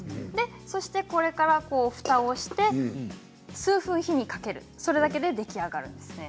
そして、それからふたをして数分火にかけるだけで出来上がるんですね。